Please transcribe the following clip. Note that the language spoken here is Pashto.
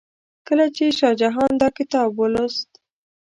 کله چې شاه جهان دا کتاب ولوست.